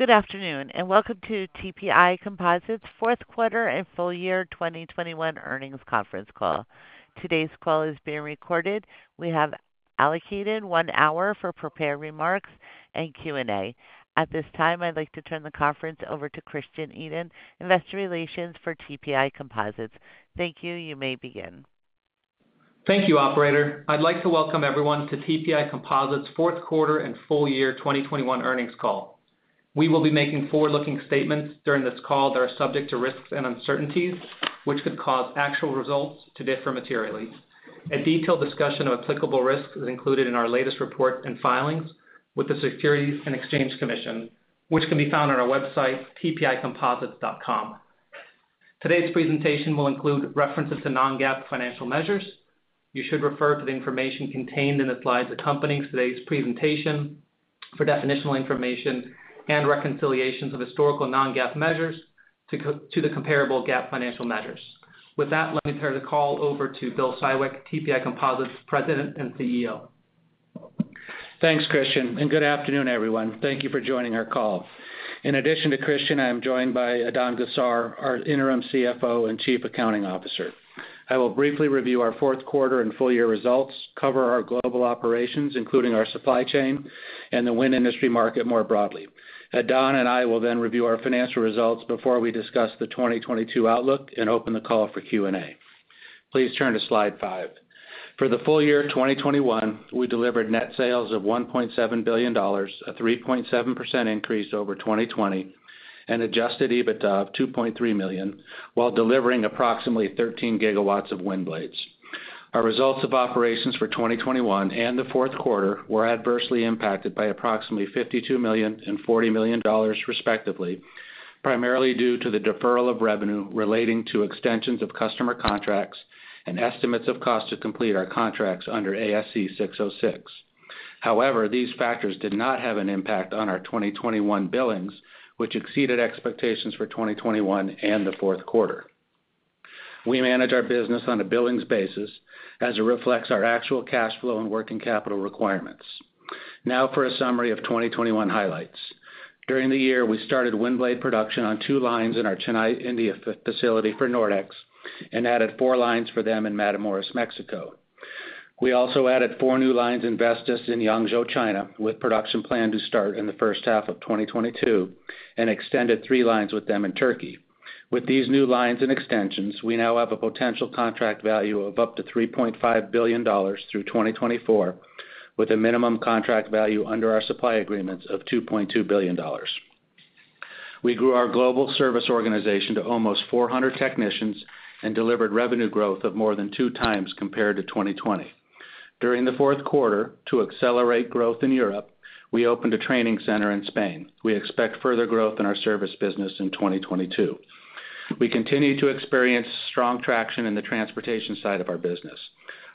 Good afternoon, and welcome to TPI Composites fourth quarter and full year 2021 earnings conference call. Today's call is being recorded. We have allocated 1 hour for prepared remarks and Q&A. At this time, I'd like to turn the conference over to Christian Edin, Investor Relations for TPI Composites. Thank you. You may begin. Thank you, operator. I'd like to welcome everyone to TPI Composites fourth quarter and full year 2021 earnings call. We will be making forward-looking statements during this call that are subject to risks and uncertainties, which could cause actual results to differ materially. A detailed discussion of applicable risks is included in our latest report and filings with the Securities and Exchange Commission, which can be found on our website, tpicomposites.com. Today's presentation will include references to non-GAAP financial measures. You should refer to the information contained in the slides accompanying today's presentation for definitional information and reconciliations of historical non-GAAP measures to the comparable GAAP financial measures. With that, let me turn the call over to Bill Siwek, TPI Composites President and CEO. Thanks, Christian, and good afternoon, everyone. Thank you for joining our call. In addition to Christian, I am joined by Adan Gossar, our Interim CFO and Chief Accounting Officer. I will briefly review our fourth quarter and full year results, cover our global operations, including our supply chain and the wind industry market more broadly. Adan and I will then review our financial results before we discuss the 2022 outlook and open the call for Q&A. Please turn to slide five. For the full year 2021, we delivered net sales of $1.7 billion, a 3.7% increase over 2020, and adjusted EBITDA of $2.3 million, while delivering approximately 13 GW of wind blades. Our results of operations for 2021 and the fourth quarter were adversely impacted by approximately $52 million and $40 million respectively, primarily due to the deferral of revenue relating to extensions of customer contracts and estimates of cost to complete our contracts under ASC 606. However, these factors did not have an impact on our 2021 billings, which exceeded expectations for 2021 and the fourth quarter. We manage our business on a billings basis as it reflects our actual cash flow and working capital requirements. Now for a summary of 2021 highlights. During the year, we started wind blade production on two lines in our Chennai, India facility for Nordex and added four lines for them in Matamoros, Mexico. We also added four new lines for Vestas in Yangzhou, China, with production planned to start in the first half of 2022 and extended three lines with them in Turkey. With these new lines and extensions, we now have a potential contract value of up to $3.5 billion through 2024, with a minimum contract value under our supply agreements of $2.2 billion. We grew our global service organization to almost 400 technicians and delivered revenue growth of more than 2x compared to 2020. During the fourth quarter, to accelerate growth in Europe, we opened a training center in Spain. We expect further growth in our service business in 2022. We continue to experience strong traction in the transportation side of our business.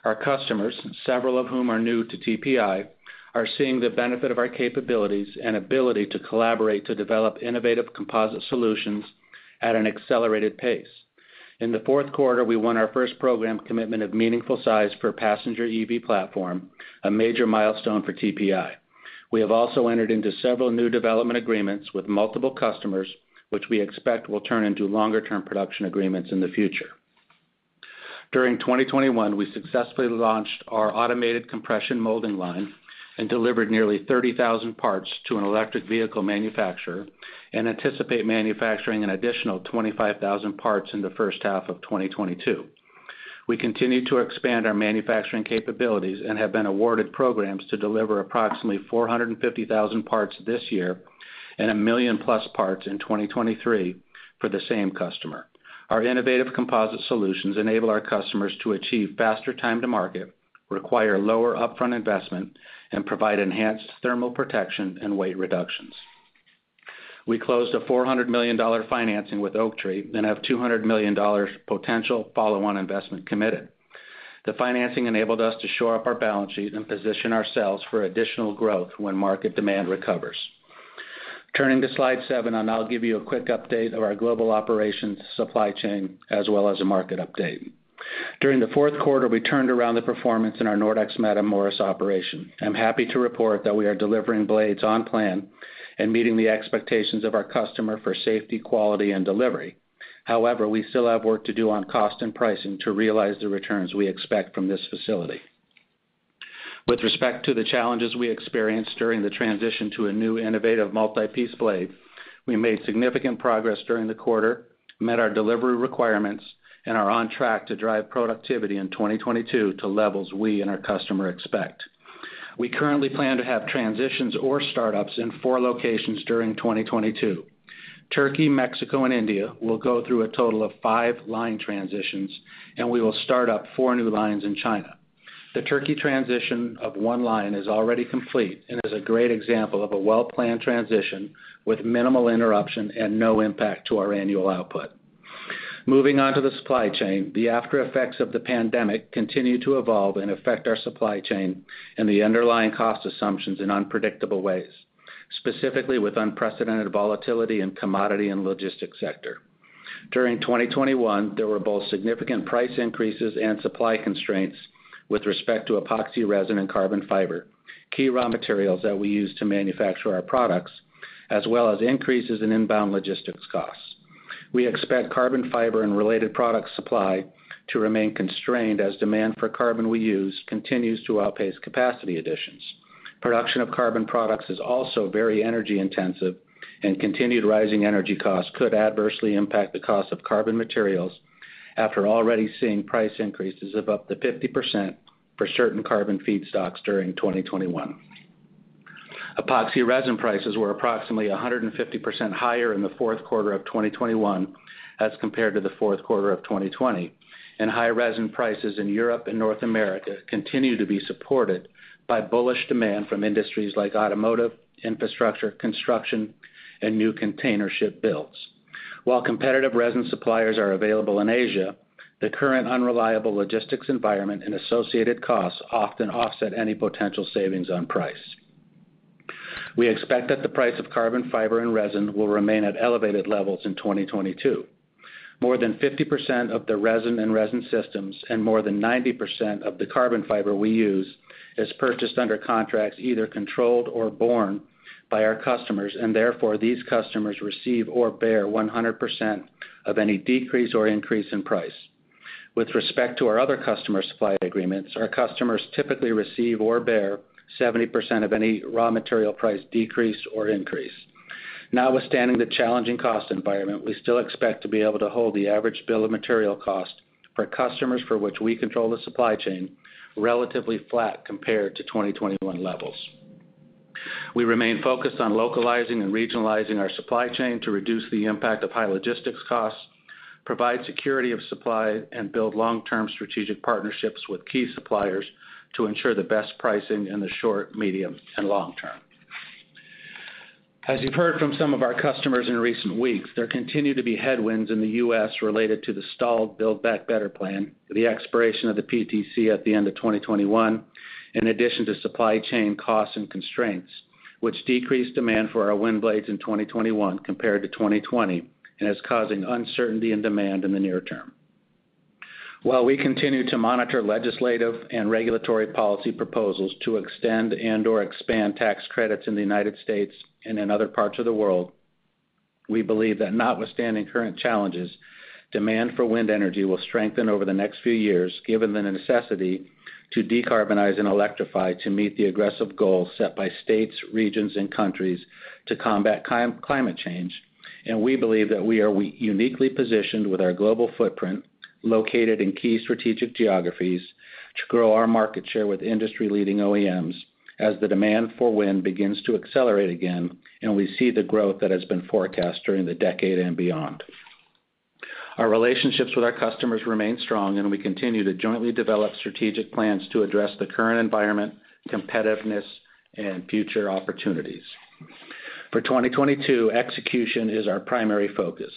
Our customers, several of whom are new to TPI, are seeing the benefit of our capabilities and ability to collaborate to develop innovative composite solutions at an accelerated pace. In the fourth quarter, we won our first program commitment of meaningful size for passenger EV platform, a major milestone for TPI. We have also entered into several new development agreements with multiple customers, which we expect will turn into longer-term production agreements in the future. During 2021, we successfully launched our automated compression molding line and delivered nearly 30,000 parts to an electric vehicle manufacturer and anticipate manufacturing an additional 25,000 parts in the first half of 2022. We continue to expand our manufacturing capabilities and have been awarded programs to deliver approximately 450,000 parts this year and 1 million+ parts in 2023 for the same customer. Our innovative composite solutions enable our customers to achieve faster time to market, require lower upfront investment, and provide enhanced thermal protection and weight reductions. We closed a $400 million financing with Oaktree and have $200 million potential follow-on investment committed. The financing enabled us to shore up our balance sheet and position ourselves for additional growth when market demand recovers. Turning to slide seven, I'll give you a quick update of our global operations supply chain, as well as a market update. During the fourth quarter, we turned around the performance in our Nordex Matamoros operation. I'm happy to report that we are delivering blades on plan and meeting the expectations of our customer for safety, quality, and delivery. However, we still have work to do on cost and pricing to realize the returns we expect from this facility. With respect to the challenges we experienced during the transition to a new innovative multi-piece blade, we made significant progress during the quarter, met our delivery requirements, and are on track to drive productivity in 2022 to levels we and our customer expect. We currently plan to have transitions or startups in four locations during 2022. Turkey, Mexico, and India will go through a total of five line transitions, and we will start up four new lines in China. The Turkey transition of one line is already complete and is a great example of a well-planned transition with minimal interruption and no impact to our annual output. Moving on to the supply chain. The after effects of the pandemic continue to evolve and affect our supply chain and the underlying cost assumptions in unpredictable ways, specifically with unprecedented volatility in commodity and logistics sector. During 2021, there were both significant price increases and supply constraints with respect to epoxy resin and carbon fiber, key raw materials that we use to manufacture our products, as well as increases in inbound logistics costs. We expect carbon fiber and related product supply to remain constrained as demand for carbon we use continues to outpace capacity additions. Production of carbon products is also very energy-intensive, and continued rising energy costs could adversely impact the cost of carbon materials after already seeing price increases of up to 50% for certain carbon feedstocks during 2021. Epoxy resin prices were approximately 150% higher in the fourth quarter of 2021 as compared to the fourth quarter of 2020, and high resin prices in Europe and North America continue to be supported by bullish demand from industries like automotive, infrastructure, construction, and new container ship builds. While competitive resin suppliers are available in Asia, the current unreliable logistics environment and associated costs often offset any potential savings on price. We expect that the price of carbon fiber and resin will remain at elevated levels in 2022. More than 50% of the resin and resin systems and more than 90% of the carbon fiber we use is purchased under contracts either controlled or borne by our customers, and therefore, these customers receive or bear 100% of any decrease or increase in price. With respect to our other customer supply agreements, our customers typically receive or bear 70% of any raw material price decrease or increase. Notwithstanding the challenging cost environment, we still expect to be able to hold the average bill of material cost for customers for which we control the supply chain relatively flat compared to 2021 levels. We remain focused on localizing and regionalizing our supply chain to reduce the impact of high logistics costs, provide security of supply, and build long-term strategic partnerships with key suppliers to ensure the best pricing in the short, medium, and long term. As you've heard from some of our customers in recent weeks, there continue to be headwinds in the U.S. related to the stalled Build Back Better plan, the expiration of the PTC at the end of 2021, in addition to supply chain costs and constraints, which decreased demand for our wind blades in 2021 compared to 2020 and is causing uncertainty in demand in the near term. While we continue to monitor legislative and regulatory policy proposals to extend and/or expand tax credits in the United States and in other parts of the world, we believe that notwithstanding current challenges, demand for wind energy will strengthen over the next few years, given the necessity to decarbonize and electrify to meet the aggressive goals set by states, regions, and countries to combat climate change. We believe that we are uniquely positioned with our global footprint, located in key strategic geographies to grow our market share with industry-leading OEMs as the demand for wind begins to accelerate again and we see the growth that has been forecast during the decade and beyond. Our relationships with our customers remain strong, and we continue to jointly develop strategic plans to address the current environment, competitiveness, and future opportunities. For 2022, execution is our primary focus.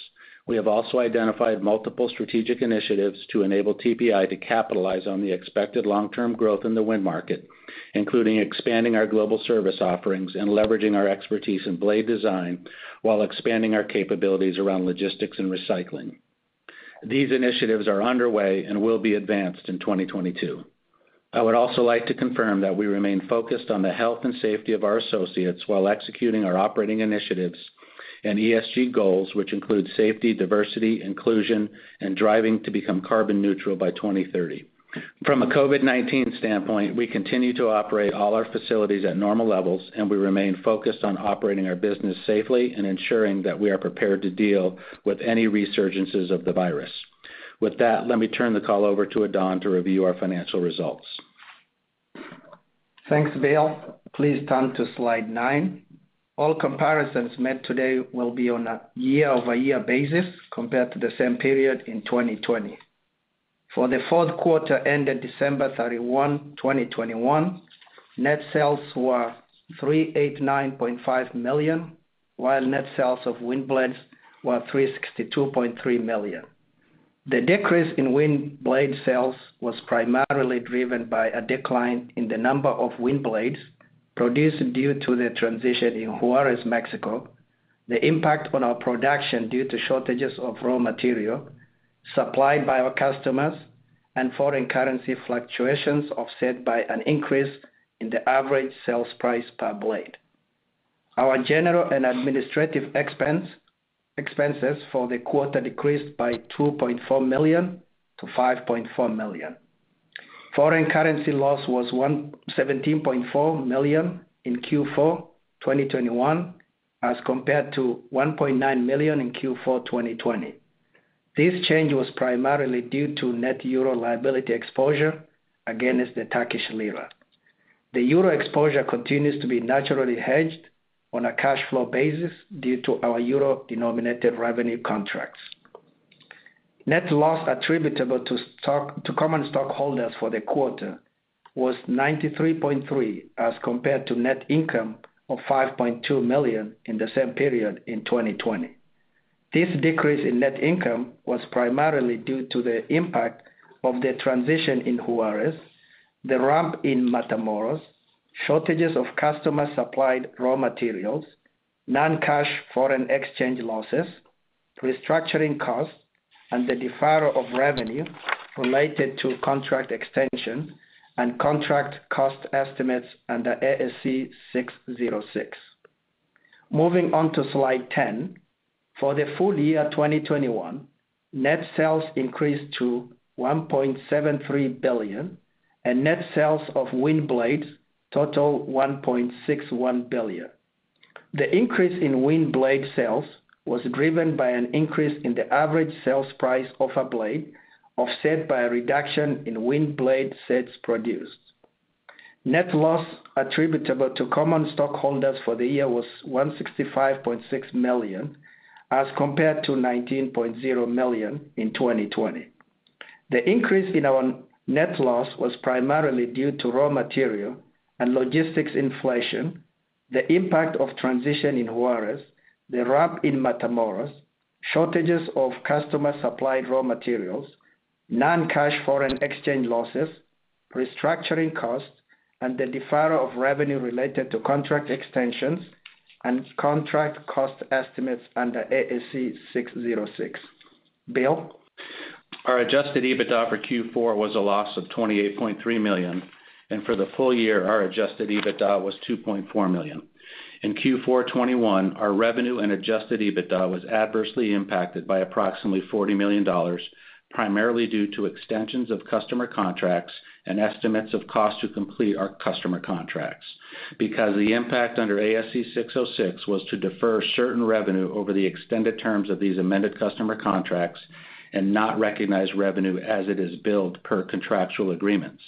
We have also identified multiple strategic initiatives to enable TPI to capitalize on the expected long-term growth in the wind market, including expanding our global service offerings and leveraging our expertise in blade design while expanding our capabilities around logistics and recycling. These initiatives are underway and will be advanced in 2022. I would also like to confirm that we remain focused on the health and safety of our associates while executing our operating initiatives and ESG goals, which include safety, diversity, inclusion, and driving to become carbon neutral by 2030. From a COVID-19 standpoint, we continue to operate all our facilities at normal levels, and we remain focused on operating our business safely and ensuring that we are prepared to deal with any resurgences of the virus. With that, let me turn the call over to Adan to review our financial results. Thanks, Bill. Please turn to slide 9. All comparisons made today will be on a YoY basis compared to the same period in 2020. For the fourth quarter ended December 31, 2021, net sales were $389.5 million, while net sales of wind blades were $362.3 million. The decrease in wind blade sales was primarily driven by a decline in the number of wind blades produced due to the transition in Juarez, Mexico, the impact on our production due to shortages of raw material supplied by our customers and foreign currency fluctuations offset by an increase in the average sales price per blade. Our general and administrative expenses for the quarter decreased by $2.4 million to $5.4 million. Foreign currency loss was $117.4 million in Q4 2021 as compared to $1.9 million in Q4 2020. This change was primarily due to net euro liability exposure against the Turkish lira. The euro exposure continues to be naturally hedged on a cash flow basis due to our euro-denominated revenue contracts. Net loss attributable to common stockholders for the quarter was $93.3 million as compared to net income of $5.2 million in the same period in 2020. This decrease in net income was primarily due to the impact of the transition in Juárez, the ramp in Matamoros, shortages of customer-supplied raw materials, non-cash foreign exchange losses, restructuring costs, and the deferral of revenue related to contract extension and contract cost estimates under ASC 606. Moving on to slide 10. For the full year 2021, net sales increased to $1.73 billion and net sales of wind blades total $1.61 billion. The increase in wind blade sales was driven by an increase in the average sales price of a blade, offset by a reduction in wind blade sets produced. Net loss attributable to common stockholders for the year was $165.6 million, as compared to $19.0 million in 2020. The increase in our net loss was primarily due to raw material and logistics inflation, the impact of transition in Juárez, the ramp in Matamoros, shortages of customer-supplied raw materials, non-cash foreign exchange losses, restructuring costs, and the deferral of revenue related to contract extensions and contract cost estimates under ASC 606. Bill? Our adjusted EBITDA for Q4 was a loss of $28.3 million, and for the full year, our adjusted EBITDA was $2.4 million. In Q4 2021, our revenue and adjusted EBITDA was adversely impacted by approximately $40 million, primarily due to extensions of customer contracts and estimates of cost to complete our customer contracts because the impact under ASC 606 was to defer certain revenue over the extended terms of these amended customer contracts and not recognize revenue as it is billed per contractual agreements.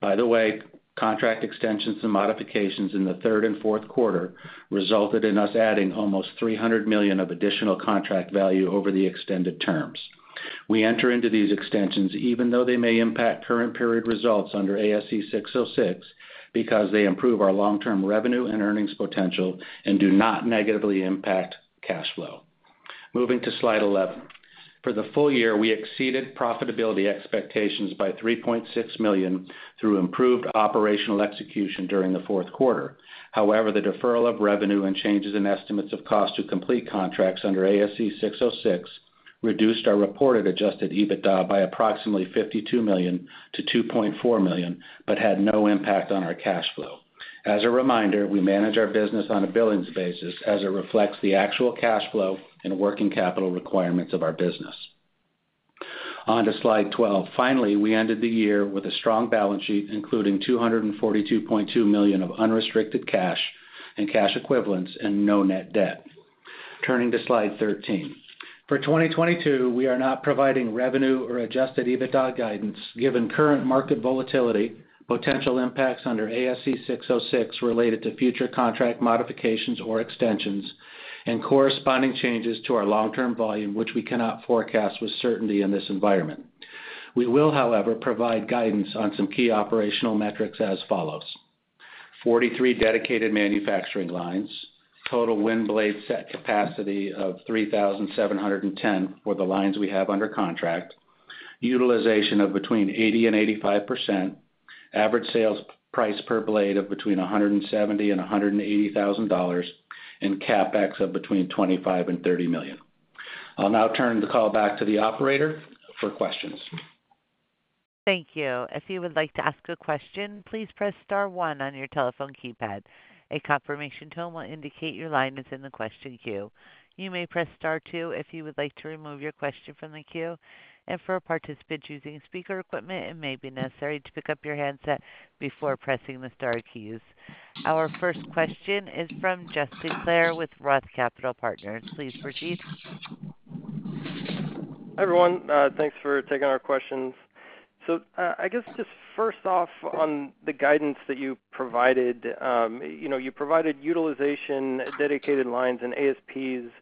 By the way, contract extensions and modifications in the third and fourth quarter resulted in us adding almost $300 million of additional contract value over the extended terms. We enter into these extensions even though they may impact current period results under ASC 606 because they improve our long-term revenue and earnings potential and do not negatively impact cash flow. Moving to slide 11. For the full year, we exceeded profitability expectations by $3.6 million through improved operational execution during the fourth quarter. However, the deferral of revenue and changes in estimates of cost to complete contracts under ASC 606 reduced our reported adjusted EBITDA by approximately $52 million to $2.4 million, but had no impact on our cash flow. As a reminder, we manage our business on a billings basis as it reflects the actual cash flow and working capital requirements of our business. On to slide 12. Finally, we ended the year with a strong balance sheet, including $242.2 million of unrestricted cash and cash equivalents and no net debt. Turning to slide 13. For 2022, we are not providing revenue or adjusted EBITDA guidance given current market volatility, potential impacts under ASC 606 related to future contract modifications or extensions, and corresponding changes to our long-term volume, which we cannot forecast with certainty in this environment. We will, however, provide guidance on some key operational metrics as follows. 43 dedicated manufacturing lines, total wind blade set capacity of 3,710 for the lines we have under contract, utilization of between 80% and 85%, average sales price per blade of between $170,000 and $180,000, and CapEx of between $25 million and $30 million. I'll now turn the call back to the operator for questions. Thank you. If you would like to ask a question, please press star one on your telephone keypad. A confirmation tone will indicate your line is in the question queue. You may press star two if you would like to remove your question from the queue. For a participant using speaker equipment, it may be necessary to pick up your handset before pressing the star keys. Our first question is from Justin Clare with ROTH Capital Partners. Please proceed. Hi, everyone. Thanks for taking our questions. I guess just first off on the guidance that you provided, you know, you provided utilization, dedicated lines, and ASPs.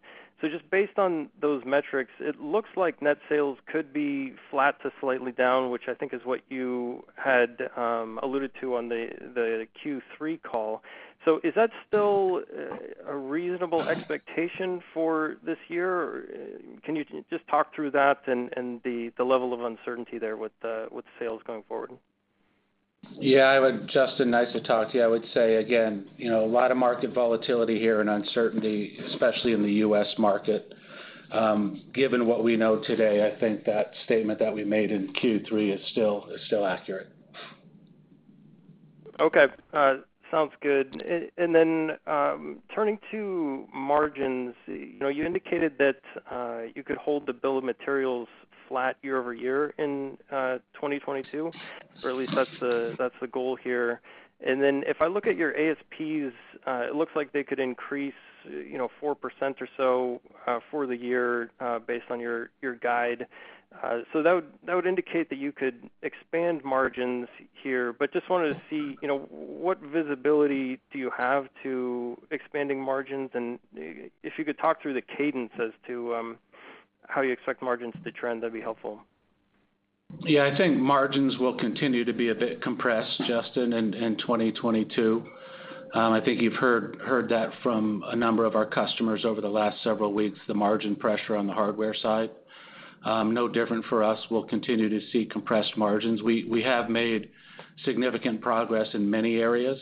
Just based on those metrics, it looks like net sales could be flat to slightly down, which I think is what you had alluded to on the Q3 call. Is that still a reasonable expectation for this year? Or can you just talk through that and the level of uncertainty there with sales going forward. Yeah. Justin, nice to talk to you. I would say again, you know, a lot of market volatility here and uncertainty, especially in the U.S. market. Given what we know today, I think that statement that we made in Q3 is still accurate. Okay. Sounds good. Then, turning to margins. You know, you indicated that you could hold the bill of materials flat YoY in 2022, or at least that's the goal here. Then if I look at your ASPs, it looks like they could increase, you know, 4% or so, for the year, based on your guide. That would indicate that you could expand margins here. Just wanted to see, you know, what visibility do you have to expanding margins? If you could talk through the cadence as to how you expect margins to trend, that'd be helpful. Yeah. I think margins will continue to be a bit compressed, Justin, in 2022. I think you've heard that from a number of our customers over the last several weeks, the margin pressure on the hardware side. No different for us. We'll continue to see compressed margins. We have made significant progress in many areas,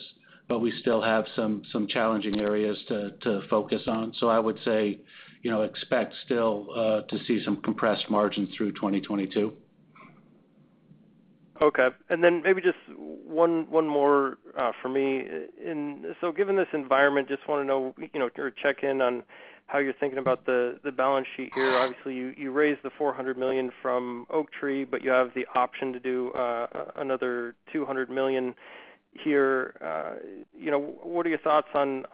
but we still have some challenging areas to focus on. I would say, you know, expect still to see some compressed margins through 2022. Okay. Maybe just one more for me. Given this environment, just want to know, you know, or check in on how you're thinking about the balance sheet here. Obviously, you raised the $400 million from Oaktree, but you have the option to do another $200 million here. You know, what are your thoughts on,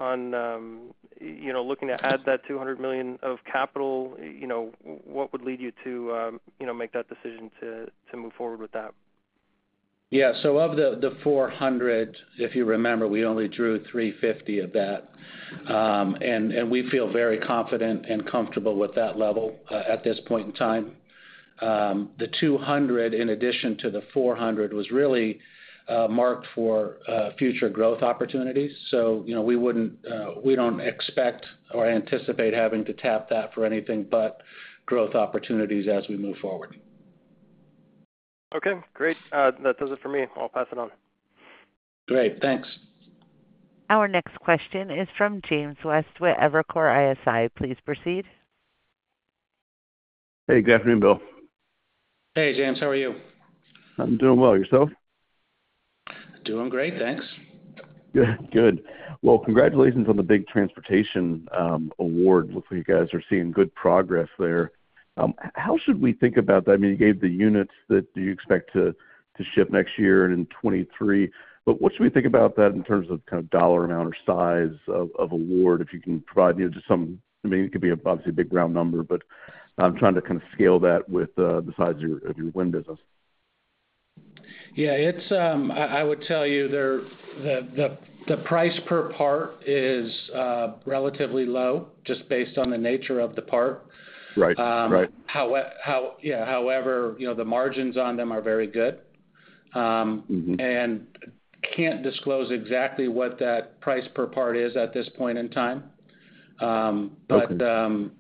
you know, looking to add that $200 million of capital? You know, what would lead you to, you know, make that decision to move forward with that? Of the $400, if you remember, we only drew $350 of that. We feel very confident and comfortable with that level at this point in time. The $200, in addition to the $400, was really marked for future growth opportunities. You know, we don't expect or anticipate having to tap that for anything but growth opportunities as we move forward. Okay. Great. That does it for me. I'll pass it on. Great. Thanks. Our next question is from James West with Evercore ISI. Please proceed. Hey, good afternoon, Bill. Hey, James. How are you? I'm doing well. Yourself? Doing great, thanks. Good. Well, congratulations on the big transportation award. Looks like you guys are seeing good progress there. How should we think about that? I mean, you gave the units that you expect to ship next year and in 2023, but what should we think about that in terms of kind of dollar amount or size of award, if you can provide me with just some. I mean, it could be obviously a big round number, but I'm trying to kind of scale that with the size of your wind business. Yeah. I would tell you that the price per part is relatively low just based on the nature of the part. Right. Right. However, you know, the margins on them are very good. Mm-hmm. can't disclose exactly what that price per part is at this point in time. Okay.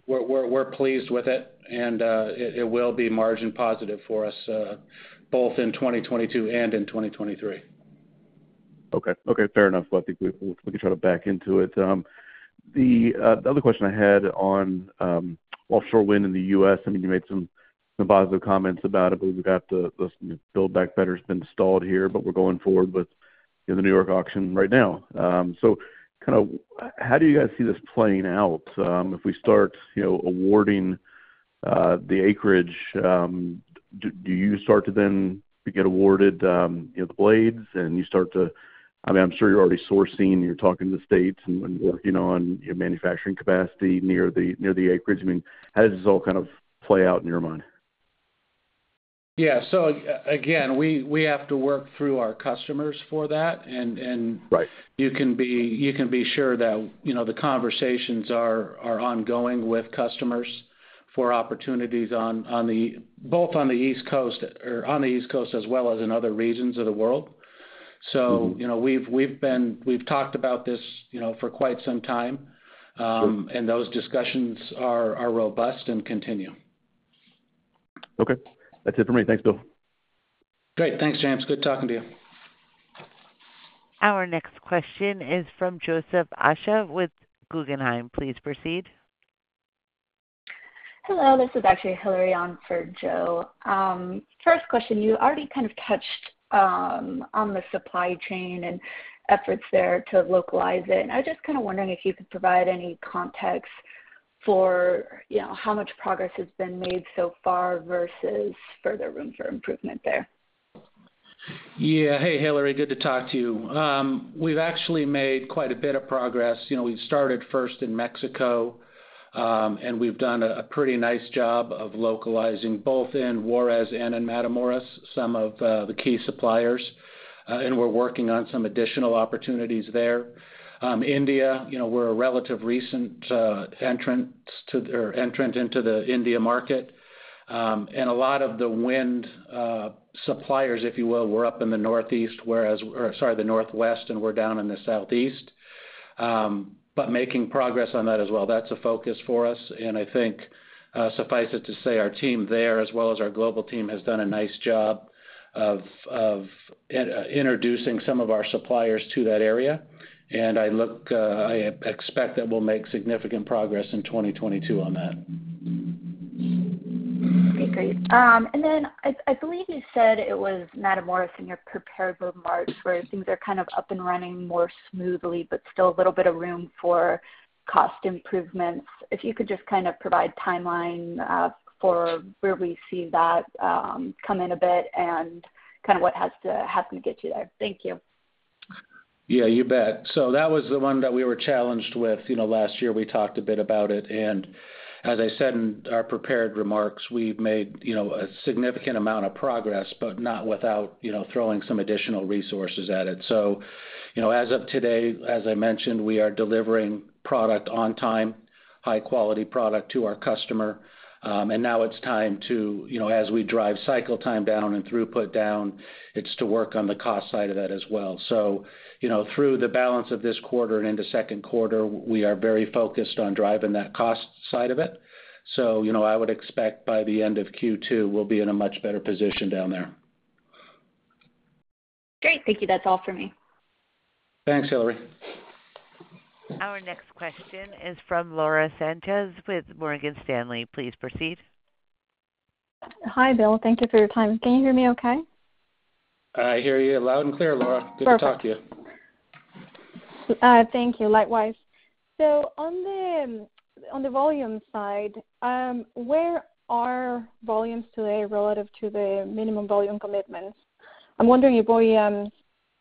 We're pleased with it, and it will be margin positive for us, both in 2022 and in 2023. Okay, fair enough. Well, I think we can try to back into it. The other question I had on offshore wind in the U.S., I mean, you made some positive comments about it. We've got this Build Back Better has been stalled here, but we're going forward with the New York auction right now. So kind of how do you guys see this playing out, if we start, you know, awarding the acreage, do you start to then get awarded, you know, the blades and you start to I mean, I'm sure you're already sourcing, you're talking to the states and working on your manufacturing capacity near the acreage. I mean, how does this all kind of play out in your mind? Again, we have to work through our customers for that and Right. You can be sure that, you know, the conversations are ongoing with customers for opportunities on both the East Coast as well as in other regions of the world. Mm-hmm. You know, we've talked about this, you know, for quite some time. Sure. Those discussions are robust and continue. Okay. That's it for me. Thanks, Bill. Great. Thanks, James. Good talking to you. Our next question is from Joseph Osha with Guggenheim. Please proceed. Hello. This is actually Hillary on for Joe. First question, you already kind of touched on the supply chain and efforts there to localize it, and I was just kind of wondering if you could provide any context for, you know, how much progress has been made so far versus further room for improvement there. Hey, Hillary, good to talk to you. We've actually made quite a bit of progress. You know, we started first in Mexico, and we've done a pretty nice job of localizing both in Juárez and in Matamoros some of the key suppliers, and we're working on some additional opportunities there. India, you know, we're a relatively recent entrant into the India market. A lot of the wind suppliers, if you will, were up in the Northwest, and we're down in the Southeast. Making progress on that as well. That's a focus for us, and I think suffice it to say, our team there as well as our global team has done a nice job of introducing some of our suppliers to that area. I look, I expect that we'll make significant progress in 2022 on that. Okay, great. I believe you said it was Matamoros in your prepared remarks where things are kind of up and running more smoothly, but still a little bit of room for cost improvements. If you could just kind of provide timeline for where we see that come in a bit and kind of what has to happen to get you there. Thank you. Yeah, you bet. That was the one that we were challenged with. You know, last year we talked a bit about it, and as I said in our prepared remarks, we've made, you know, a significant amount of progress, but not without, you know, throwing some additional resources at it. You know, as of today, as I mentioned, we are delivering product on time, high quality product to our customer. Now it's time to, you know, as we drive cycle time down and throughput down, it's to work on the cost side of that as well. You know, through the balance of this quarter and into second quarter, we are very focused on driving that cost side of it. You know, I would expect by the end of Q2, we'll be in a much better position down there. Great. Thank you. That's all for me. Thanks, Hillary. Our next question is from Laura Sanchez with Morgan Stanley. Please proceed. Hi, Bill. Thank you for your time. Can you hear me okay? I hear you loud and clear, Laura. Perfect. Good to talk to you. Thank you. Likewise. On the volume side, where are volumes today relative to the minimum volume commitments? I'm wondering if volumes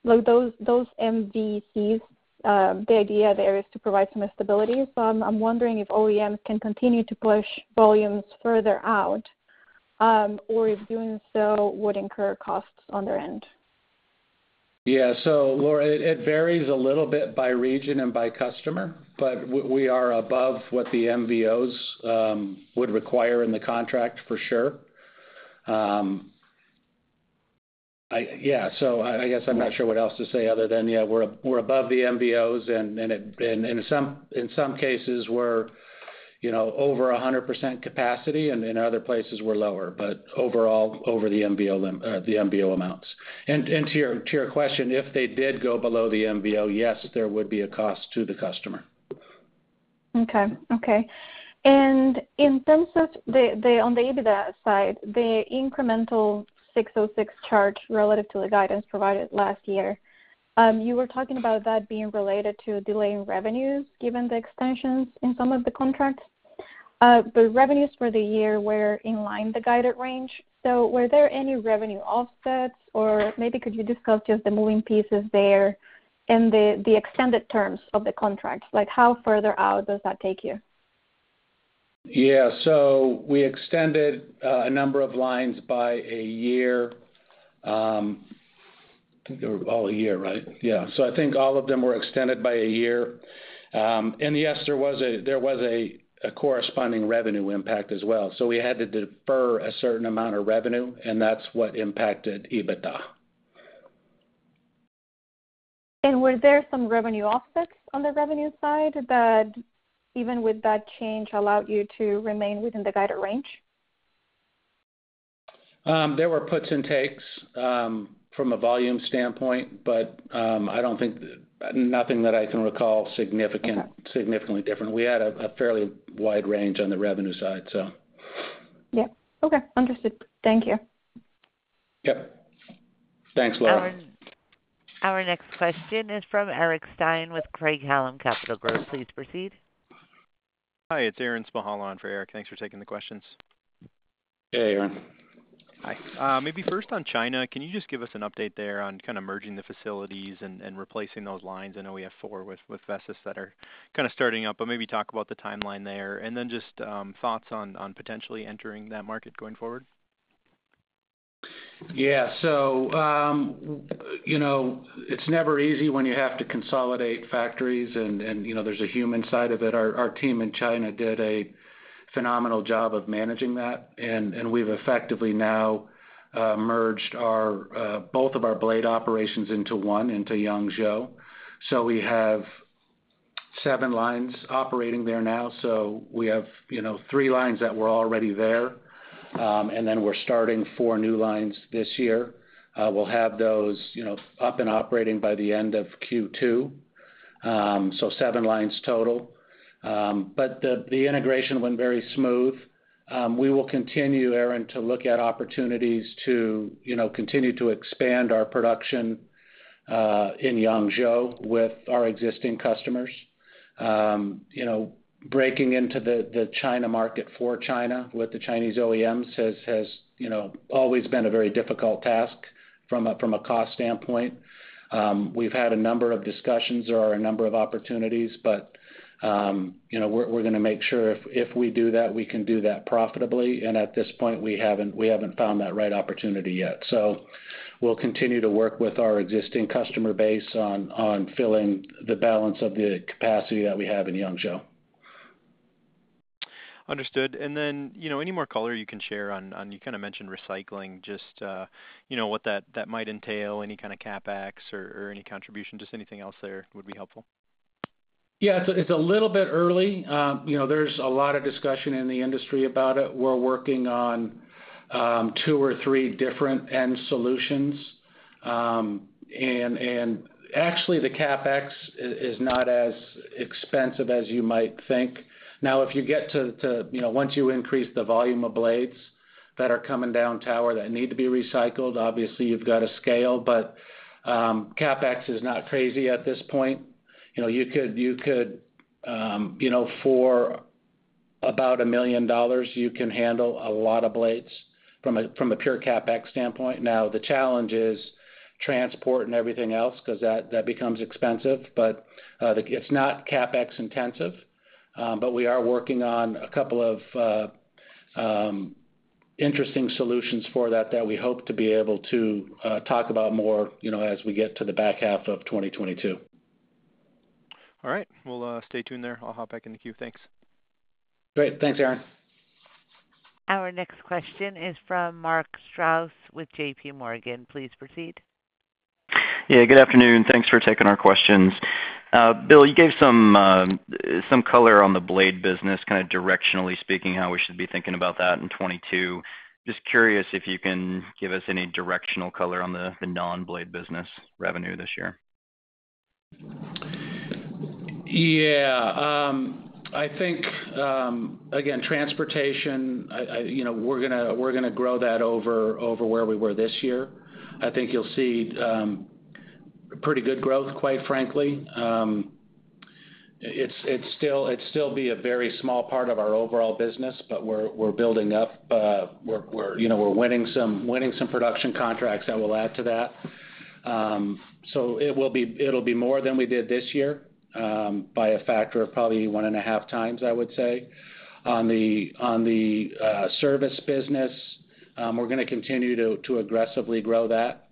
are below those MVCs, the idea there is to provide some stability. I'm wondering if OEMs can continue to push volumes further out, or if doing so would incur costs on their end. Yeah, Laura, it varies a little bit by region and by customer. We are above what the MVOs would require in the contract for sure. I guess I'm not sure what else to say other than, yeah, we're above the MVOs and in some cases we're, you know, over 100% capacity, and in other places we're lower, but overall over the MVO amounts. To your question, if they did go below the MVO, yes, there would be a cost to the customer. Okay. In terms of on the EBITDA side, the incremental ASC 606 charge relative to the guidance provided last year, you were talking about that being related to delaying revenues given the extensions in some of the contracts. Revenues for the year were in line with the guided range. Were there any revenue offsets, or maybe could you discuss just the moving pieces there and the extended terms of the contracts? Like, how further out does that take you? Yeah. We extended a number of lines by a year. I think they were all a year, right? Yeah. I think all of them were extended by a year. Yes, there was a corresponding revenue impact as well. We had to defer a certain amount of revenue, and that's what impacted EBITDA. Were there some revenue offsets on the revenue side that even with that change allowed you to remain within the guided range? There were puts and takes from a volume standpoint, but nothing that I can recall significant. Okay. Significantly different. We had a fairly wide range on the revenue side, so. Yeah. Okay. Understood. Thank you. Yep. Thanks, Laura. Our next question is from Aaron Spychalla with Craig-Hallum Capital Group. Please proceed. Hi, it's Aaron Spychalla on for Eric. Thanks for taking the questions. Hey, Aaron. Hi. Maybe first on China, can you just give us an update there on kind of merging the facilities and replacing those lines? I know we have four with Vestas that are kind of starting up, but maybe talk about the timeline there. Just thoughts on potentially entering that market going forward. It's never easy when you have to consolidate factories and you know, there's a human side of it. Our team in China did a phenomenal job of managing that, and we've effectively now merged our both of our blade operations into one, into Yangzhou. We have seven lines operating there now. We have you know three lines that were already there. And then we're starting four new lines this year. We'll have those you know up and operating by the end of Q2. Seven lines total. But the integration went very smooth. We will continue, Aaron, to look at opportunities to you know continue to expand our production in Yangzhou with our existing customers. You know, breaking into the China market for China with the Chinese OEMs has, you know, always been a very difficult task from a cost standpoint. We've had a number of discussions. There are a number of opportunities, but, you know, we're gonna make sure if we do that, we can do that profitably. And at this point, we haven't found that right opportunity yet. We'll continue to work with our existing customer base on filling the balance of the capacity that we have in Yangzhou. Understood. You know, any more color you can share on you kind of mentioned recycling, just you know, what that might entail, any kind of CapEx or any contribution, just anything else there would be helpful. Yeah. It's a little bit early. You know, there's a lot of discussion in the industry about it. We're working on two or three different end solutions. And actually the CapEx is not as expensive as you might think. Now, if you get to, you know, once you increase the volume of blades that are coming down tower that need to be recycled, obviously you've got to scale. CapEx is not crazy at this point. You know, you could, you know, for about $1 million, you can handle a lot of blades from a pure CapEx standpoint. Now, the challenge is transport and everything else 'cause that becomes expensive. It's not CapEx intensive. We are working on a couple of interesting solutions for that, we hope to be able to talk about more, you know, as we get to the back half of 2022. All right. We'll stay tuned there. I'll hop back in the queue. Thanks. Great. Thanks, Aaron. Our next question is from Mark Strouse with J.P. Morgan. Please proceed. Yeah, good afternoon. Thanks for taking our questions. Bill, you gave some color on the blade business, kind of directionally speaking, how we should be thinking about that in 2022. Just curious if you can give us any directional color on the non-blade business revenue this year. Yeah. I think again transportation you know we're gonna grow that over where we were this year. I think you'll see pretty good growth quite frankly. It'll still be a very small part of our overall business but we're building up you know we're winning some production contracts that will add to that. So it'll be more than we did this year by a factor of probably 1.5x I would say. On the service business we're gonna continue to aggressively grow that.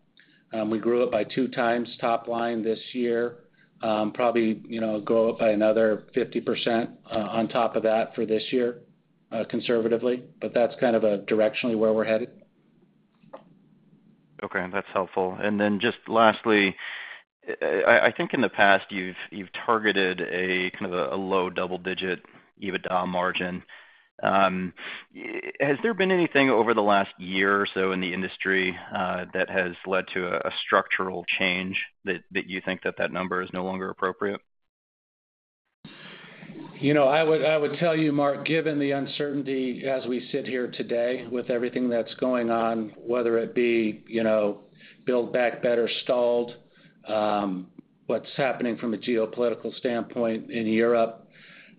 We grew it by 2x top line this year. We'll probably you know grow it by another 50% on top of that for this year conservatively. That's kind of directionally where we're headed. Okay. That's helpful. Just lastly, I think in the past, you've targeted a kind of a low double digit EBITDA margin. Has there been anything over the last year or so in the industry that has led to a structural change that you think that number is no longer appropriate? You know, I would tell you, Mark, given the uncertainty as we sit here today with everything that's going on, whether it be, you know, Build Back Better stalled, what's happening from a geopolitical standpoint in Europe,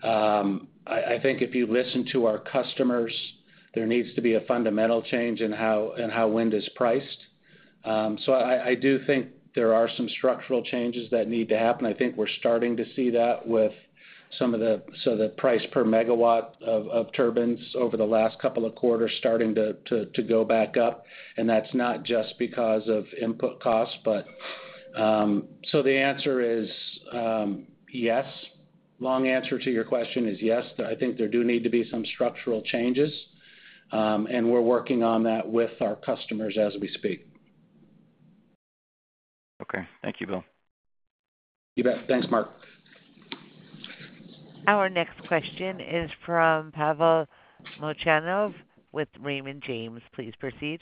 I think if you listen to our customers, there needs to be a fundamental change in how wind is priced. So I do think there are some structural changes that need to happen. I think we're starting to see that with some of the price per megawatt of turbines over the last couple of quarters starting to go back up. That's not just because of input costs, but. The answer is, yes. Long answer to your question is yes. I think there do need to be some structural changes, and we're working on that with our customers as we speak. Okay. Thank you, Bill. You bet. Thanks, Mark. Our next question is from Pavel Molchanov with Raymond James. Please proceed.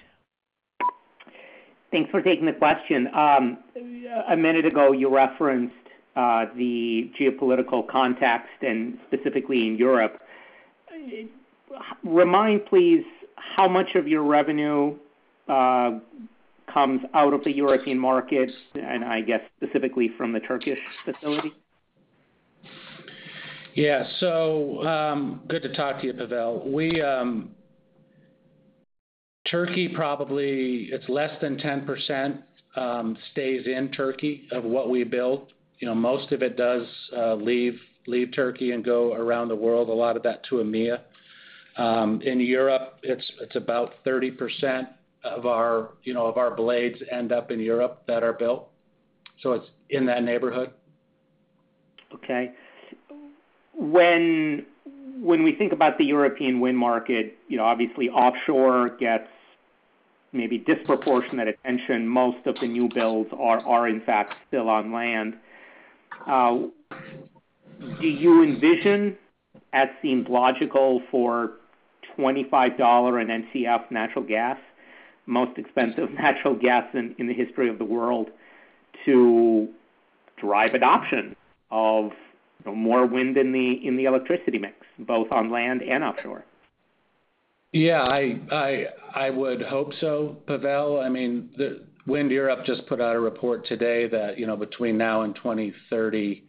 Thanks for taking the question. A minute ago, you referenced the geopolitical context and specifically in Europe. Remind, please, how much of your revenue comes out of the European market and I guess specifically from the Turkish facility? Yeah. Good to talk to you, Pavel. Turkey, probably it's less than 10%, stays in Turkey of what we build. You know, most of it does leave Turkey and go around the world. A lot of that to EMEA. In Europe, it's about 30% of our, you know, of our blades end up in Europe that are built. It's in that neighborhood. Okay. When we think about the European wind market, you know, obviously offshore gets maybe disproportionate attention. Most of the new builds are in fact still on land. Do you envision, as seems logical for $25 an MCF natural gas, most expensive natural gas in the history of the world, to drive adoption of more wind in the electricity mix, both on land and offshore? Yeah, I would hope so, Pavel. I mean, WindEurope just put out a report today that, you know, between now and 2030,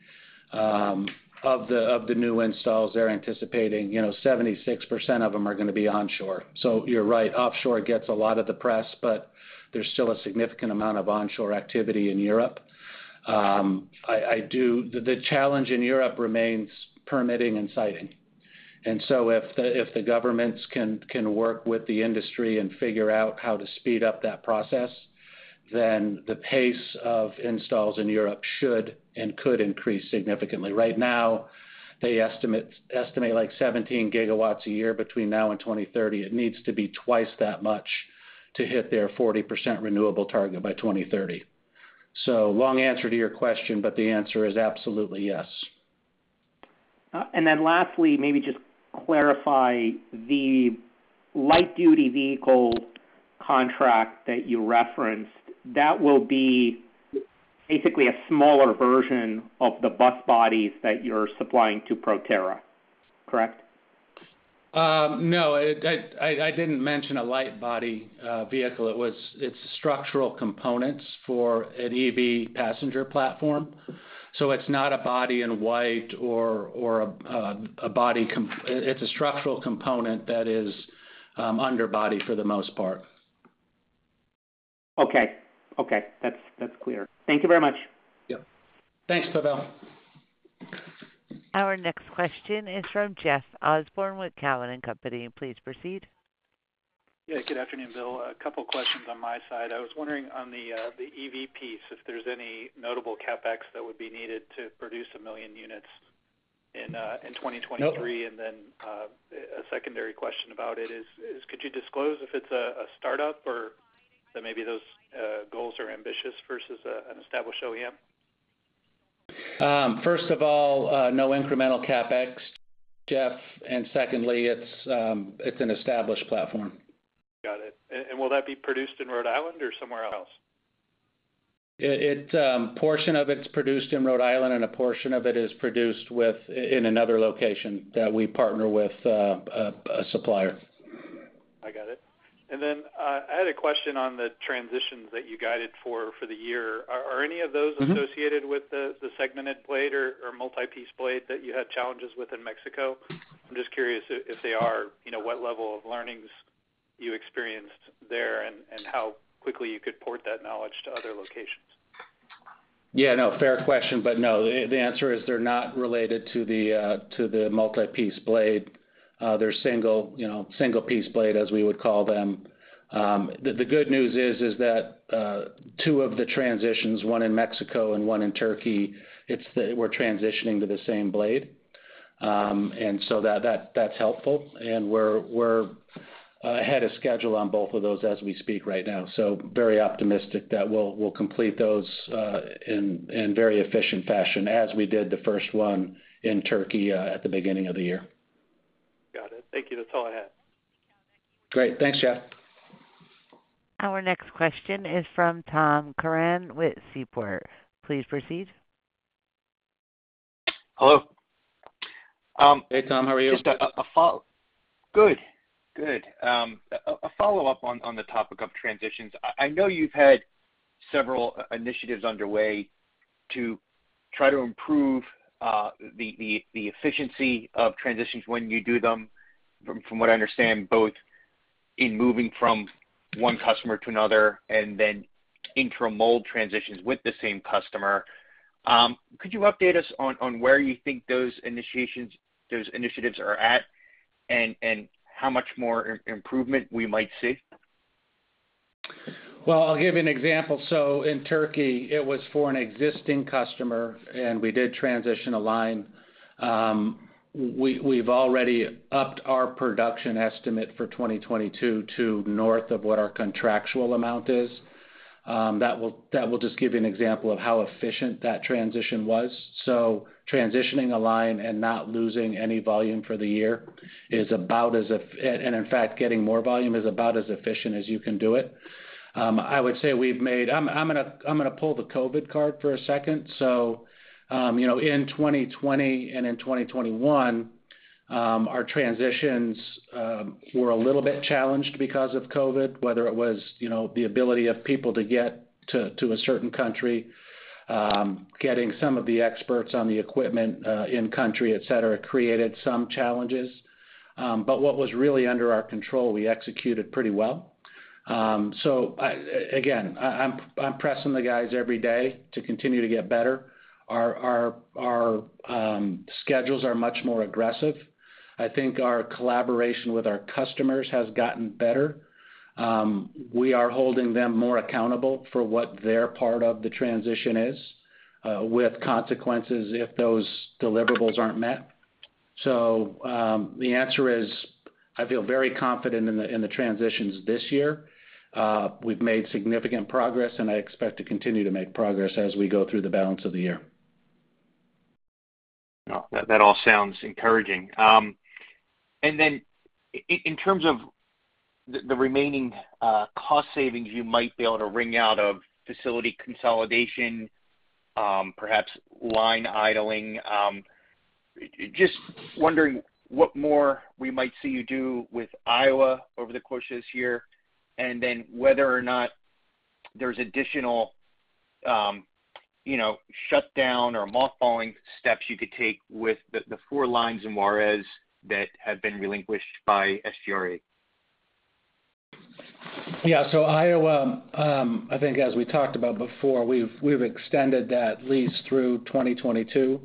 of the new installs, they're anticipating, you know, 76% of them are gonna be onshore. So you're right, offshore gets a lot of the press, but there's still a significant amount of onshore activity in Europe. The challenge in Europe remains permitting and siting. If the governments can work with the industry and figure out how to speed up that process, then the pace of installs in Europe should and could increase significantly. Right now, they estimate like 17 GW a year between now and 2030. It needs to be twice that much to hit their 40% renewable target by 2030. Long answer to your question, but the answer is absolutely yes. Lastly, maybe just clarify the light-duty vehicle contract that you referenced. That will be basically a smaller version of the bus bodies that you're supplying to Proterra, correct? No. I didn't mention a light body vehicle. It's structural components for an EV passenger platform. So it's not a body in white. It's a structural component that is underbody for the most part. Okay. That's clear. Thank you very much. Yeah. Thanks, Pavel. Our next question is from Jeff Osborne with Cowen and Company. Please proceed. Yeah, good afternoon, Bill. A couple questions on my side. I was wondering on the EV piece if there's any notable CapEx that would be needed to produce 1 million units in 2023. Nope. A secondary question about it is, could you disclose if it's a startup or that maybe those goals are ambitious versus an established OEM? First of all, no incremental CapEx, Jeff. Secondly, it's an established platform. Got it. Will that be produced in Rhode Island or somewhere else? A portion of it is produced in Rhode Island, and a portion of it is produced in another location that we partner with a supplier. I got it. I had a question on the transitions that you guided for the year. Are any of those- Mm-hmm associated with the segmented blade or multi-piece blade that you had challenges with in Mexico? I'm just curious if they are, you know, what level of learnings you experienced there and how quickly you could port that knowledge to other locations. Yeah, no, fair question. No, the answer is they're not related to the multi-piece blade. They're single, you know, single-piece blade, as we would call them. The good news is that two of the transitions, one in Mexico and one in Turkey, it's the same blade we're transitioning to. That's helpful. We're ahead of schedule on both of those as we speak right now, so very optimistic that we'll complete those in very efficient fashion as we did the first one in Turkey at the beginning of the year. Got it. Thank you. That's all I had. Great. Thanks, Jeff. Our next question is from Tom Curran with Seaport. Please proceed. Hello. Hey, Tom. How are you? Good, good. A follow-up on the topic of transitions. I know you've had several initiatives underway to try to improve the efficiency of transitions when you do them, from what I understand, both in moving from one customer to another and then intra-mold transitions with the same customer. Could you update us on where you think those initiatives are at and how much more improvement we might see? Well, I'll give you an example. In Turkey, it was for an existing customer, and we did transition a line. We've already upped our production estimate for 2022 to north of what our contractual amount is. That will just give you an example of how efficient that transition was. Transitioning a line and not losing any volume for the year is about as efficient as you can do it. In fact, getting more volume is about as efficient as you can do it. I'm gonna pull the COVID card for a second. You know, in 2020 and in 2021, our transitions were a little bit challenged because of COVID, whether it was, you know, the ability of people to get to a certain country, getting some of the experts on the equipment in country, et cetera, created some challenges. What was really under our control, we executed pretty well. I'm pressing the guys every day to continue to get better. Our schedules are much more aggressive. I think our collaboration with our customers has gotten better. We are holding them more accountable for what their part of the transition is, with consequences if those deliverables aren't met. The answer is, I feel very confident in the transitions this year. We've made significant progress, and I expect to continue to make progress as we go through the balance of the year. No, that all sounds encouraging. Then in terms of the remaining cost savings you might be able to wring out of facility consolidation, perhaps line idling, just wondering what more we might see you do with Iowa over the course of this year, and then whether or not there's additional, you know, shutdown or mothballing steps you could take with the four lines in Juárez that have been relinquished by SGRE? Yeah. Iowa, I think as we talked about before, we've extended that lease through 2022.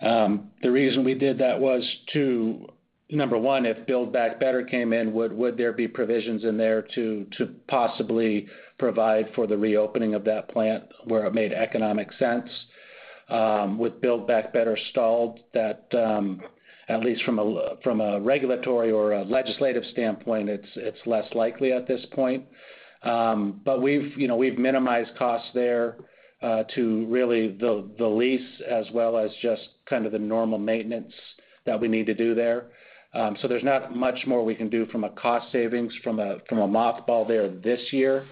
The reason we did that was to, number one, if Build Back Better came in, would there be provisions in there to possibly provide for the reopening of that plant where it made economic sense? With Build Back Better stalled, that, at least from a regulatory or a legislative standpoint, it's less likely at this point. But we've, you know, minimized costs there to really the lease as well as just kind of the normal maintenance that we need to do there. There's not much more we can do from a cost savings from a mothball there this year.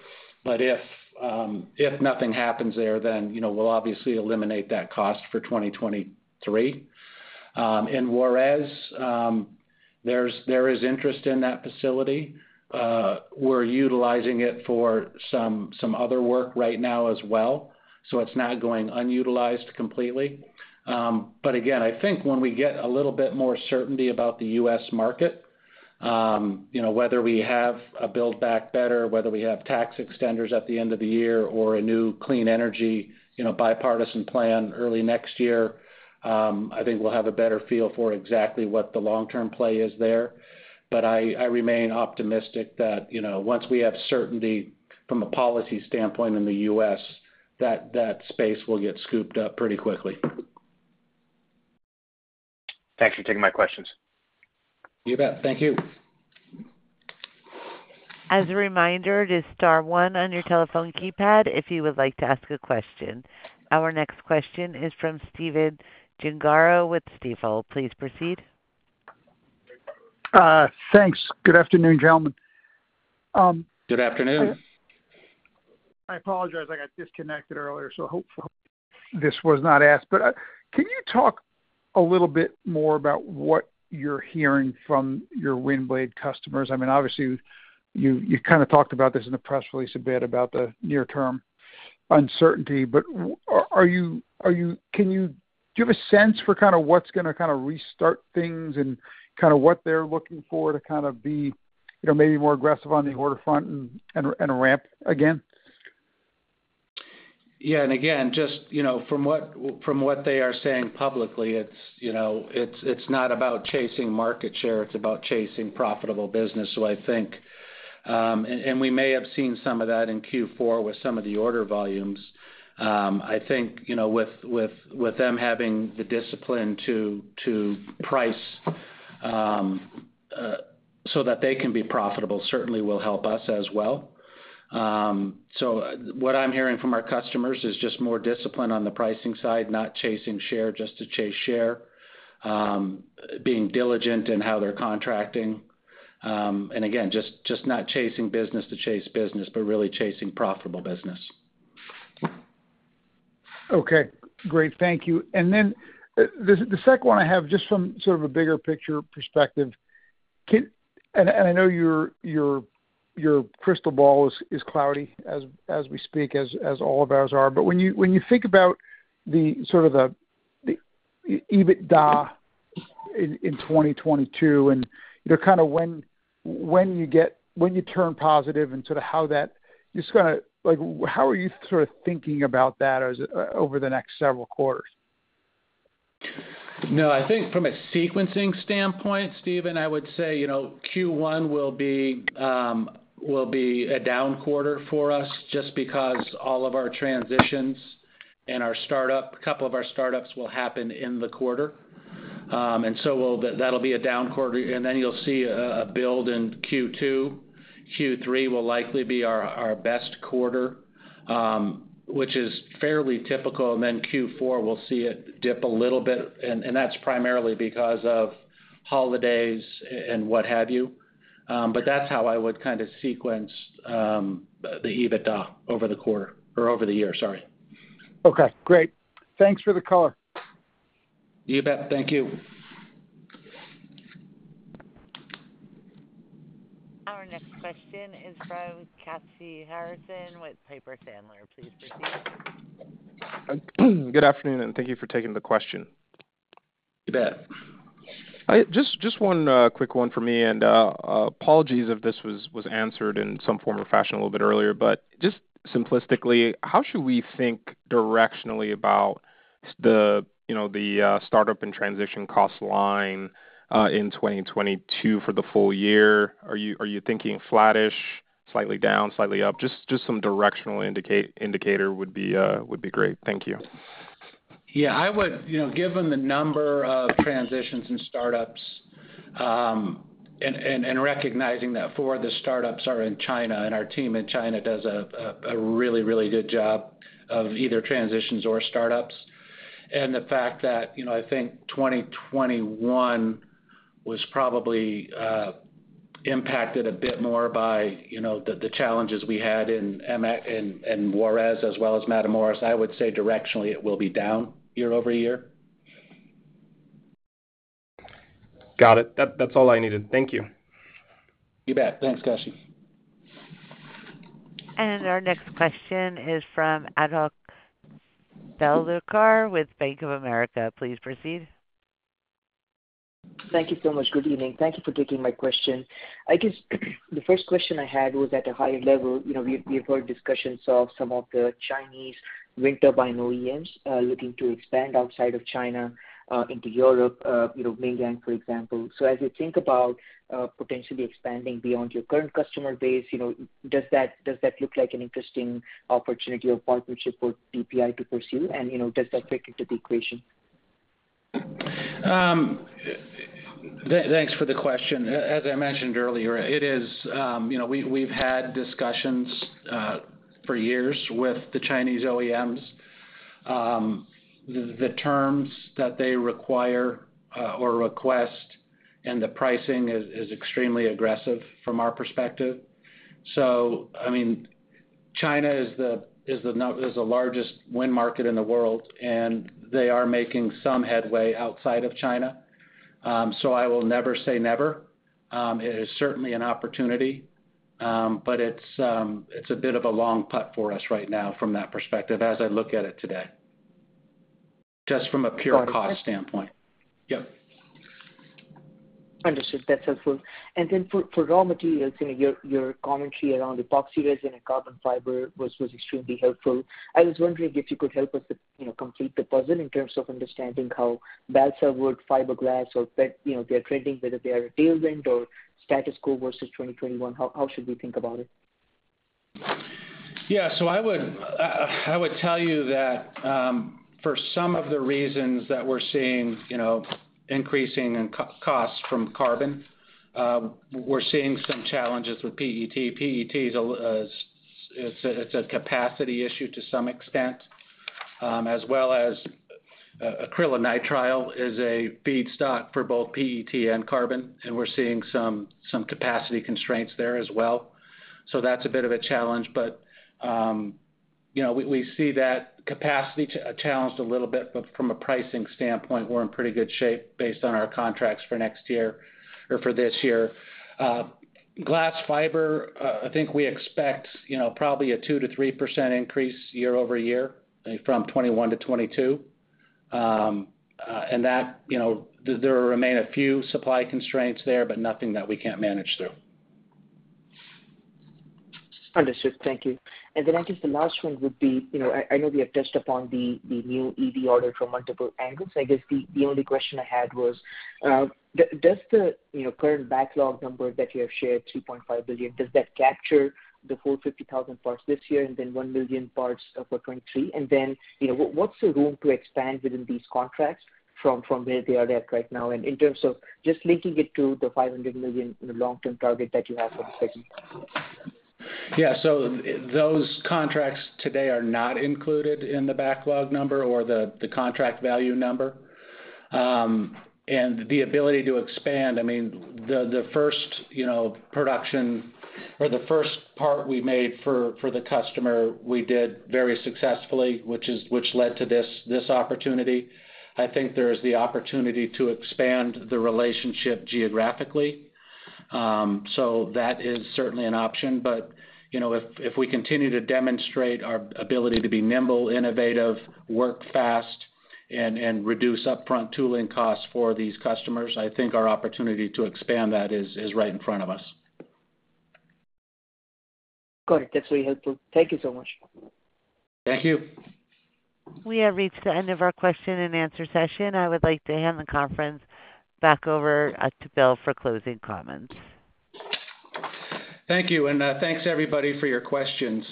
If nothing happens there, then, you know, we'll obviously eliminate that cost for 2023. In Juárez, there is interest in that facility. We're utilizing it for some other work right now as well, so it's not going unutilized completely. Again, I think when we get a little bit more certainty about the U.S. market, you know, whether we have a Build Back Better, whether we have tax extenders at the end of the year or a new clean energy, you know, bipartisan plan early next year, I think we'll have a better feel for exactly what the long-term play is there. I remain optimistic that, you know, once we have certainty from a policy standpoint in the U.S., that space will get scooped up pretty quickly. Thanks for taking my questions. You bet. Thank you. As a reminder, just star one on your telephone keypad if you would like to ask a question. Our next question is from Stephen Gengaro with Stifel. Please proceed. Thanks. Good afternoon, gentlemen. Good afternoon. I apologize, I got disconnected earlier, so hopefully this was not asked. But can you talk a little bit more about what you're hearing from your wind blade customers? I mean, obviously you kind of talked about this in the press release a bit about the near term uncertainty. But are you... do you have a sense for kind of what's gonna kind of restart things and kind of what they're looking for to kind of be, you know, maybe more aggressive on the order front and ramp again? Again, just, you know, from what they are saying publicly, it's, you know, it's not about chasing market share, it's about chasing profitable business. I think and we may have seen some of that in Q4 with some of the order volumes. I think, you know, with them having the discipline to price so that they can be profitable certainly will help us as well. What I'm hearing from our customers is just more discipline on the pricing side, not chasing share just to chase share, being diligent in how they're contracting, and again, just not chasing business to chase business, but really chasing profitable business. Okay, great. Thank you. The second one I have, just from sort of a bigger picture perspective. I know your crystal ball is cloudy as we speak, as all of ours are. When you think about the EBITDA in 2022 and, you know, kind of when you turn positive and sort of how that just kind of like how are you sort of thinking about that as over the next several quarters? No, I think from a sequencing standpoint, Stephen, I would say, you know, Q1 will be a down quarter for us just because all of our transitions and our startup, a couple of our startups will happen in the quarter. That'll be a down quarter, and then you'll see a build in Q2. Q3 will likely be our best quarter, which is fairly typical. Q4, we'll see it dip a little bit, and that's primarily because of holidays and what have you. That's how I would kind of sequence the EBITDA over the year, sorry. Okay, great. Thanks for the color. You bet. Thank you. Our next question is from Kashy Harrison with Piper Sandler. Please proceed. Good afternoon, and thank you for taking the question. You bet. I just one quick one for me, and apologies if this was answered in some form or fashion a little bit earlier. Just simplistically, how should we think directionally about the you know the startup and transition cost line in 2022 for the full year? Are you thinking flattish, slightly down, slightly up? Just some directional indicator would be great. Thank you. Yeah, I would. You know, given the number of transitions and startups, and recognizing that four of the startups are in China, and our team in China does a really good job of either transitions or startups. The fact that, you know, I think 2021 was probably impacted a bit more by, you know, the challenges we had in Juarez as well as Matamoros, I would say directionally it will be down YoY. Got it. That's all I needed. Thank you. You bet. Thanks, Kashy. Our next question is from Adhok Bellurkar with Bank of America. Please proceed. Thank you so much. Good evening. Thank you for taking my question. I guess the first question I had was at a higher level. You know, we've heard discussions of some of the Chinese wind turbine OEMs looking to expand outside of China into Europe, you know, mainland, for example. So as you think about potentially expanding beyond your current customer base, you know, does that look like an interesting opportunity or partnership for TPI to pursue? You know, does that factor into the equation? Thanks for the question. As I mentioned earlier, it is. We've had discussions for years with the Chinese OEMs. The terms that they require or request and the pricing is extremely aggressive from our perspective. I mean, China is the largest wind market in the world, and they are making some headway outside of China. It is certainly an opportunity. It's a bit of a long putt for us right now from that perspective as I look at it today. Just from a pure cost standpoint. Yep. Understood. That's helpful. For raw materials, you know, your commentary around epoxy resin and carbon fiber was extremely helpful. I was wondering if you could help us, you know, complete the puzzle in terms of understanding how balsa wood, fiberglass or pet, you know, they're trending, whether they are a tailwind or status quo versus 2021. How should we think about it? I would tell you that, for some of the reasons that we're seeing, you know, increasing in costs from carbon, we're seeing some challenges with PET. PET is a capacity issue to some extent, as well as, acrylonitrile is a feedstock for both PET and carbon, and we're seeing some capacity constraints there as well. That's a bit of a challenge. We see that capacity challenged a little bit, but from a pricing standpoint, we're in pretty good shape based on our contracts for next year or for this year. Glass fiber, I think we expect, you know, probably a 2%-3% increase YoY from 2021 to 2022. that, you know, there remain a few supply constraints there, but nothing that we can't manage through. Understood. Thank you. I guess the last one would be, you know, I know we have touched upon the new EV order from multiple angles. I guess the only question I had was, does the, you know, current backlog number that you have shared, $2.5 billion, capture the full 50,000 parts this year and then 1 million parts for 2023? You know, what's the room to expand within these contracts from where they are at right now? In terms of just linking it to the $500 million long-term target that you have for the second. Yeah. Those contracts today are not included in the backlog number or the contract value number. The ability to expand, I mean, the first production or the first part we made for the customer, we did very successfully, which led to this opportunity. I think there is the opportunity to expand the relationship geographically. That is certainly an option. You know, if we continue to demonstrate our ability to be nimble, innovative, work fast, and reduce upfront tooling costs for these customers, I think our opportunity to expand that is right in front of us. Got it. That's really helpful. Thank you so much. Thank you. We have reached the end of our question and answer session. I would like to hand the conference back over to Bill for closing comments. Thank you. Thanks everybody for your questions.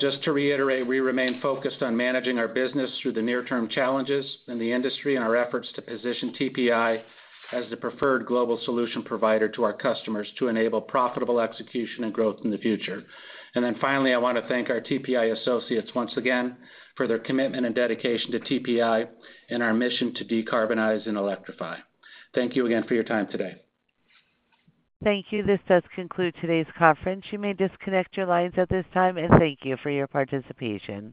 Just to reiterate, we remain focused on managing our business through the near-term challenges in the industry and our efforts to position TPI as the preferred global solution provider to our customers to enable profitable execution and growth in the future. And then finally, I wanna thank our TPI associates once again for their commitment and dedication to TPI and our mission to decarbonize and electrify. Thank you again for your time today. Thank you. This does conclude today's conference. You may disconnect your lines at this time, and thank you for your participation.